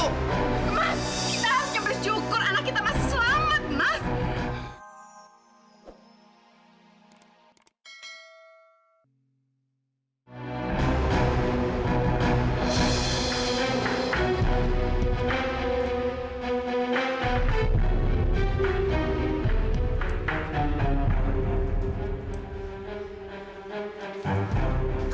mas kita harusnya bersyukur anak kita masih selamat mas